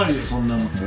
そんなの。